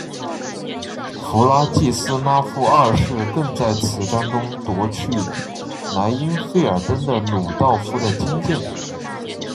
弗拉季斯拉夫二世更在此战中夺去莱茵费尔登的鲁道夫的金剑。